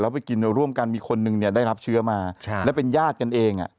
ไปกินร่วมกันมีคนนึงเนี่ยได้รับเชื้อมาแล้วเป็นญาติกันเองอ่ะ